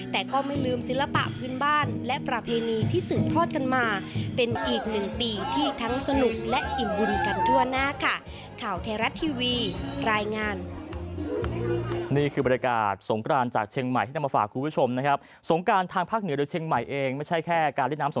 แต่ก็ไม่ลืมความสนุกสมาธิพื้นบ้านและประเพณีที่สึงทอดกันมา